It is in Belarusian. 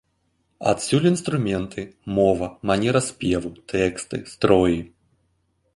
Адсюль інструменты, мова, манера спеву, тэксты, строі.